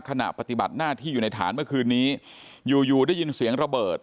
ขณะปฏิบัติหน้าที่อยู่ในฐานเมื่อคืนนี้อยู่อยู่ได้ยินเสียงระเบิด